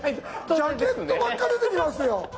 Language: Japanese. ジャケットばっか出てきますよ。